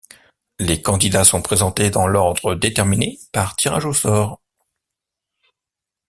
Les candidats sont présentés dans l'ordre déterminé par tirage au sort.